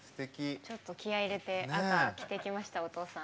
ちょっと気合い入れて赤着てきましたお父さん。